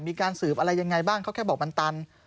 มีการสืบอะไรยังไงบ้างเขาแค่บอกมันตัน